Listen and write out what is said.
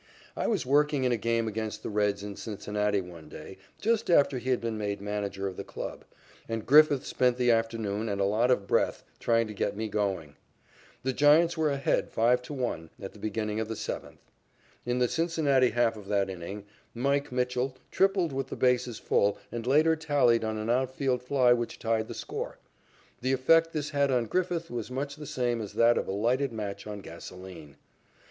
I was working in a game against the Reds in Cincinnati one day, just after he had been made manager of the club, and Griffith spent the afternoon and a lot of breath trying to get me going. The Giants were ahead, 5 to 1, at the beginning of the seventh. In the Cincinnati half of that inning, "Mike" Mitchell tripled with the bases full and later tallied on an outfield fly which tied the score. The effect this had on Griffith was much the same as that of a lighted match on gasolene.